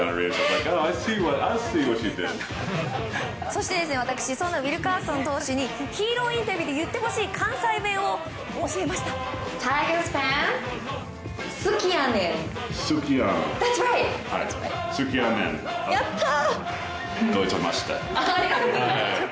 そして私、そんなウィルカーソン投手にヒーローインタビューで言ってほしい関西弁を教えました。